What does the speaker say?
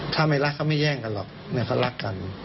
ถ้าไม่รักเขาไม่แย่งกันหรอกเขารักกัน